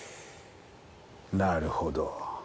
なるほど。